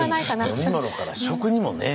飲み物から食にもね。